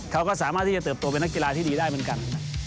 เขาก็สามารถที่จะเติบโตเป็นนักกีฬาที่ดีได้เหมือนกัน